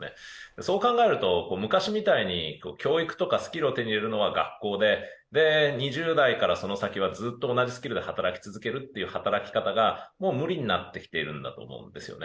そう考えると、昔みたいに教育とかスキルを手に入れるのは学校で２０代からその先はずっと同じスキルで働くという働き方がもう無理になってきているんだと思うんですね。